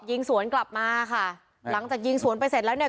ยิงสวนกลับมาค่ะหลังจากยิงสวนไปเสร็จแล้วเนี่ย